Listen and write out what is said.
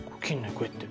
こうやって。